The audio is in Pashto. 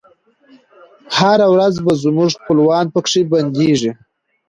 هره ورځ به زموږ خپلوان پکښي بندیږی